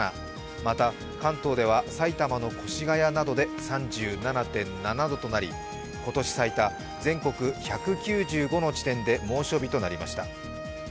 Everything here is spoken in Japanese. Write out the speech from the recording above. また、関東では埼玉の越谷などで３７．７度となり今年最多、全国１９５の地点で猛暑日となりました。